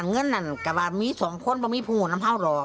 อันเงินนั่นก็ว่ามีสองคนไม่มีผู้หัวน้ำห้าวหรอก